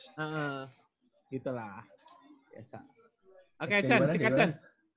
iya gitu lah biasa oke can cika can